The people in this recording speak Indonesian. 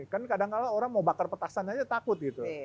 kan kadangkala orang mau bakar petasan aja takut gitu